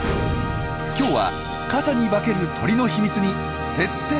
今日は傘に化ける鳥の秘密に徹底的に迫ります。